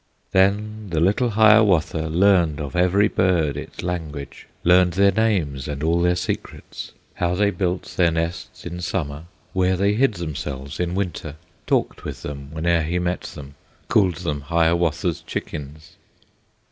Then the little Hiawatha Learned of every bird its language, Learned their names and all their secrets, How they built their nests in Summer, Where they hid themselves in Winter, Talked with them whene'er he met them, Called them "Hiawatha's Chickens."